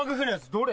どれ？